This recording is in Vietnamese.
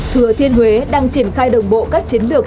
thừa thiên huế đang triển khai đồng bộ các chiến lược